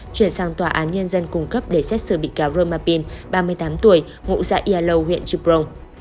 chuyển sang tòa án nhân dân cung cấp để xét xử bị cáo roma pin ba mươi tám tuổi ngụ dạy yà lâu huyện chiprong